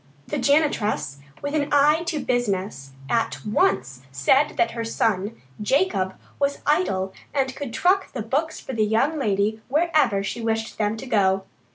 The janitress, with an eye to business, at once said that her son, Jacob, was idle and could truck the books for the young lady wherever she wished them to go.